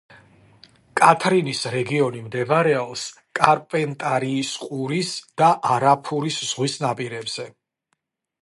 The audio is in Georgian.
კათრინის რეგიონი მდებარეობს კარპენტარიის ყურის და არაფურის ზღვის ნაპირებზე.